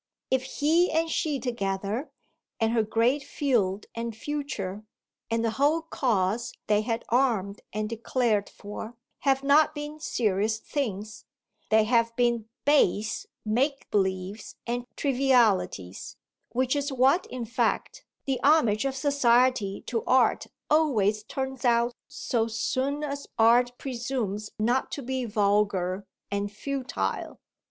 If he and she together, and her great field and future, and the whole cause they had armed and declared for, have not been serious things they have been base make believes and trivialities which is what in fact the homage of society to art always turns out so soon as art presumes not to be vulgar and futile.